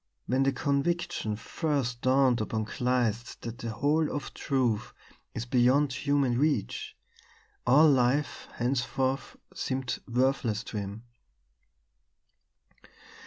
When the conviction first dawned upon Kleist that the whole of truth is beyond human reach, all life henceforth seemed worthless to him.